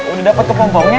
udah dapat ke pongpongnya ya